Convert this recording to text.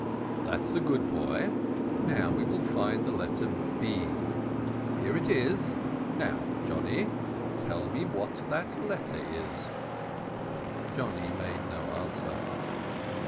"That's a good boy; now we will find the letter B. Here it is: now, Johnny, tell me what that letter is." Johnny made no answer.